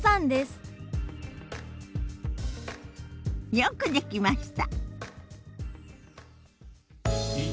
よくできました。